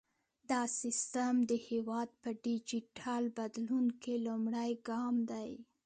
دا سیستم د هیواد په ډیجیټل بدلون کې لومړی ګام دی۔